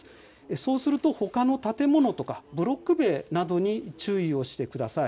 そうするとほかの建物とかブロック塀などに注意をしてください。